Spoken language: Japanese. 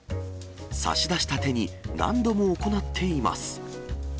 差し出した手に何度も行っています。